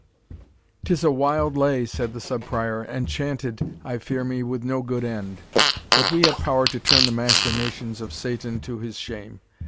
"'Tis a wild lay," said the Sub Prior, "and chanted, I fear me, with no good end. But we have power to turn the machinations of Satan to his shame.